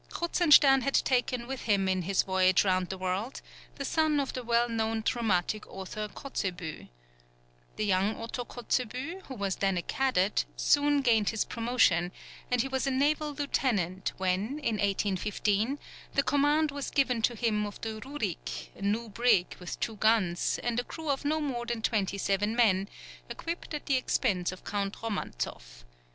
Kruzenstern had taken with him in his voyage round the world the son of the well known dramatic author Kotzebue. The young Otto Kotzebue, who was then a cadet, soon gained his promotion, and he was a naval lieutenant when, in 1815 the command was given to him of the Rurik, a new brig, with two guns, and a crew of no more than twenty seven men, equipped at the expense of Count Romantzoff.